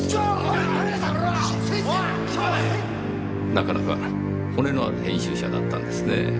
なかなか骨のある編集者だったんですねぇ。